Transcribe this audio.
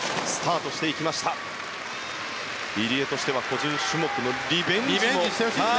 入江としては個人種目のリベンジも。